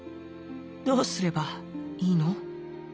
「どうすればいいの？」。